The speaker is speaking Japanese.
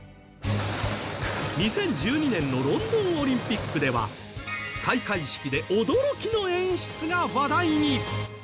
２０１２年のロンドンオリンピックでは開会式で驚きの演出が話題に。